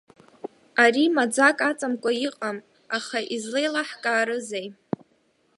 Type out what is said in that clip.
Ари маӡак аҵамкәа иҟам, аха излеилаҳкаарызеи?